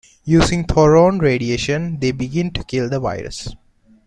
Using thoron radiation, they begin to kill the virus.